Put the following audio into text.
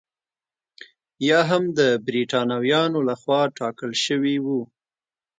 یا هم د برېټانویانو لخوا ټاکل شوي وو.